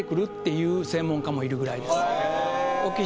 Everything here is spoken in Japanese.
いう専門家もいるぐらいです。